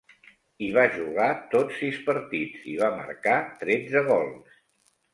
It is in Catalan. Hi va jugar tots sis partits, i va marcar tretze gols.